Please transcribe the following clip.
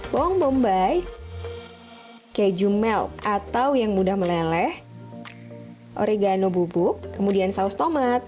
bawang bombay keju melk atau yang mudah meleleh oregano bubuk kemudian saus tomat